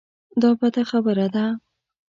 دا بده خبره ده.